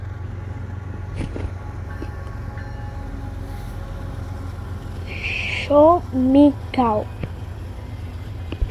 They are also much louder than electric motors.